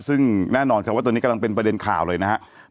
ซึ่งแน่นอนครับว่าตอนนี้กำลังเป็นประเด็นข่าวเลยนะครับ